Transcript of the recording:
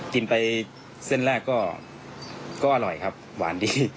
กินไปเส้นแรกก็อร่อยครับหวานดี